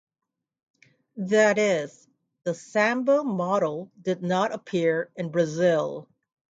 That is, the Sambo model did not appear in Brazil.